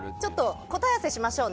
答え合わせしましょうね。